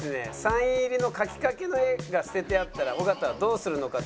サイン入りの描きかけの画が捨ててあったら尾形はどうするのか？